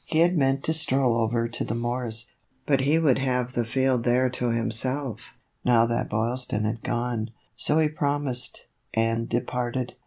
He had meant to stroll over to the Moore's, but he would have the field there to himself, now that Boylston had gone, so he promised, and departed.